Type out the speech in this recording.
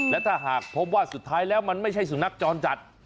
และถ้าหากพบว่าสุดท้ายแล้วมันไม่ใช่สุนัขจรจัด